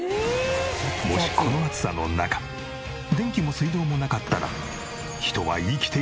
もしこの暑さの中電気も水道もなかったら。